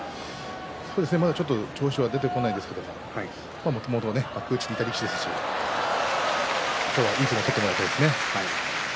ちょっと調子が出ていないですけど幕内にいた力士ですし、今日はいい相撲を取ってほしいですね。